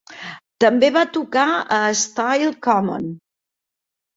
També va tocar a Stile Common.